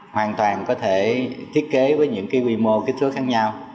hoàn toàn có thể thiết kế với những cái quy mô kích thước khác nhau